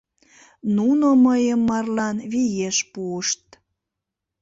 Ну-но мыйым марлан виеш пуышт.